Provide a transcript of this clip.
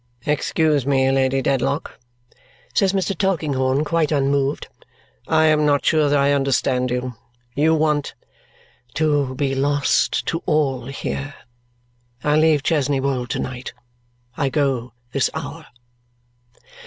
"Excuse me, Lady Dedlock," says Mr. Tulkinghorn, quite unmoved. "I am not sure that I understand you. You want " "To be lost to all here. I leave Chesney Wold to night. I go this hour."